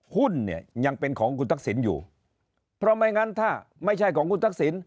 หุ้นเนี่ยยังเป็นของคุณทักษิณอยู่เพราะไม่งั้นถ้าไม่ใช่ของคุณทักษิณ